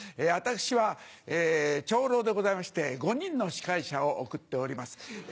私は長老でございまして５人の司会者を送っております。